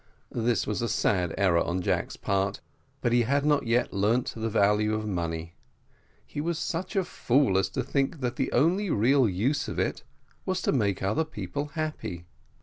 This was a sad error on Jack's part; but he had not yet learned the value of money; he was such a fool as to think that the only real use of it was to make other people happy.